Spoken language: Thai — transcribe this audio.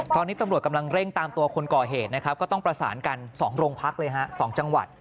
ตอนนี้ตำรวจกำลังเร่งตามตัวคนก่อเหตุนะครับก็ต้องประสานกัน๒โรงพักเลยฮะ๒จังหวัด